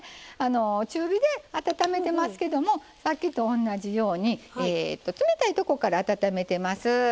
中火で温めてますけどさっきと同じように冷たいとこから温めてます。